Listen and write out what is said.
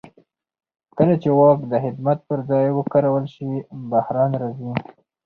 کله چې واک د خدمت پر ځای وکارول شي بحران راځي